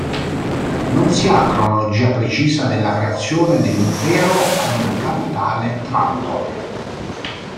Non si ha cronologia precisa della creazione dell'Impero con capitale Trantor.